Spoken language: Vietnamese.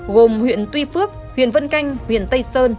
gồm huyện tuy phước huyện vân canh huyện tây sơn